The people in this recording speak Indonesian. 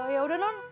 ya udah non